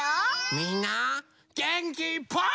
みんなげんきいっぱい。